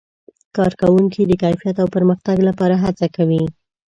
کارکوونکي د کیفیت او پرمختګ لپاره هڅه کوي.